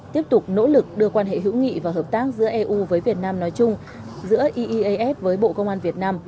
tiếp tục nỗ lực đưa quan hệ hữu nghị và hợp tác giữa eu với việt nam nói chung giữa eas với bộ công an việt nam